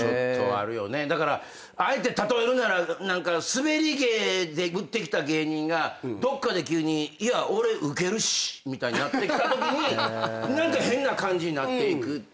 だからあえて例えるならスベり芸で売ってきた芸人がどっかで急に「いや俺ウケるし」みたいになってきたときに何か変な感じになっていくよね。